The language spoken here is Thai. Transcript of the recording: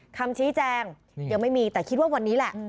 คำชี้แจงยังไม่มีแต่คิดว่าวันนี้แหละ